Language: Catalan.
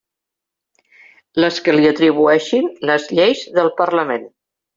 Les que li atribueixin les lleis del Parlament.